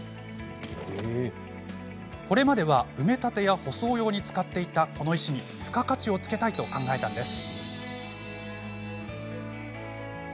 これまでは埋め立てや舗装用に使っていたこの石に付加価値をつけたいと考えたのです。